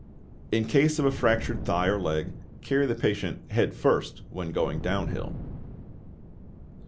In case of a fractured thigh or leg, carry the patient head first when going down hill.